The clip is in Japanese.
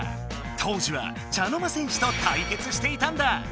当時は茶の間戦士と対決していたんだ！